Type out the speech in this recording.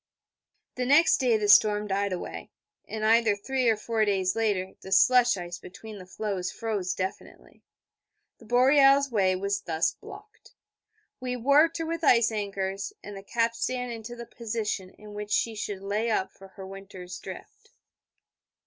The next day the storm died away, and either three or four days later the slush ice between the floes froze definitely. The Boreal's way was thus blocked. We warped her with ice anchors and the capstan into the position in which she should lay up for her winter's drift.